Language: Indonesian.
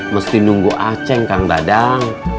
mesti nunggu aceh kang dadang